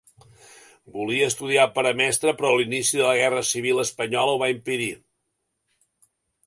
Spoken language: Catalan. Volia estudiar per a mestre però l'inici de la guerra civil espanyola ho va impedir.